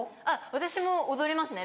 私も踊りますね